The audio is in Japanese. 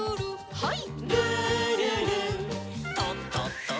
はい。